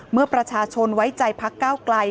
เมื่อประชาชนไว้ใจพักก้าวไกล